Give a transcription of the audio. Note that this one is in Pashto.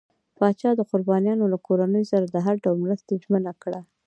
پاچا د قربانيانو له کورنۍ سره د هر ډول مرستې ژمنه کړه.